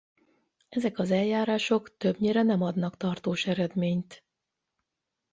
Ezek az eljárások többnyire nem adnak tartós eredményt.